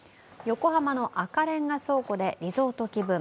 横浜の赤レンガ倉庫でリゾート気分